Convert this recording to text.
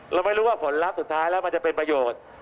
เราไม่รู้ว่าผลลัพธ์สุดท้ายแล้วมันจะเป็นประโยชน์